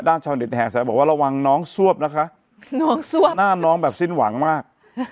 ชาวเน็ตแห่สายบอกว่าระวังน้องซวบนะคะน้องสวบหน้าน้องแบบสิ้นหวังมาก